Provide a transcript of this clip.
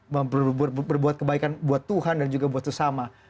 membuat kebaikan buat tuhan dan juga buat sesama